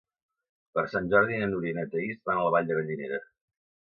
Per Sant Jordi na Núria i na Thaís van a la Vall de Gallinera.